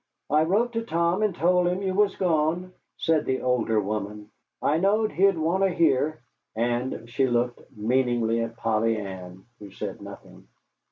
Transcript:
"I wrote to Tom and told him you was gone," said the older woman. "I knowed he'd wanter hear." And she looked meaningly at Polly Ann, who said nothing.